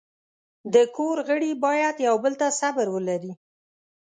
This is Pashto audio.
د کور غړي باید یو بل ته صبر ولري.